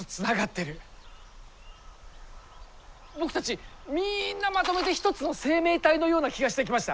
僕たちみんなまとめて一つの生命体のような気がしてきました。